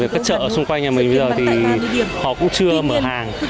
các chợ ở xung quanh nhà mình bây giờ thì họ cũng chưa mở hàng